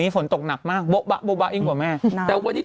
ฝนตกมืดมาเลย